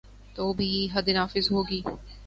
تو بھی حد نافذ ہو گی۔